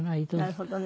なるほどね。